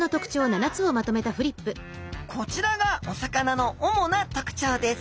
こちらがお魚の主な特徴です。